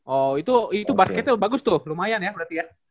oh itu basketnya bagus tuh lumayan ya berarti ya